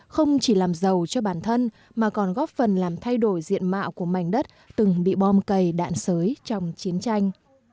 không chỉ làm giàu cho bản thân mà còn góp phần làm thay đổi diện mạo của mảnh đất từng bị bom cầy đạn sới trong chiến tranh